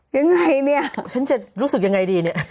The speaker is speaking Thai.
ยังไงเนี่ยฉันจะรู้สึกยังไงดีเนี่ย